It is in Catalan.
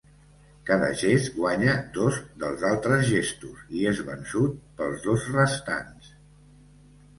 Cada gest guanya dos dels altres gestos i és vençut pels dos restants.